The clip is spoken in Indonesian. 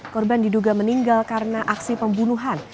korban diduga meninggal karena aksi pembunuhan